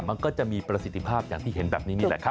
มันก็จะมีประสิทธิภาพอย่างที่เห็นแบบนี้นี่แหละครับ